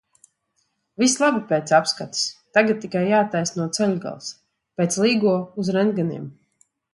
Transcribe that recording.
Viss labi pēc apskates, tagad tikai jātaisno ceļgals, pēc Līgo uz rentgeniem.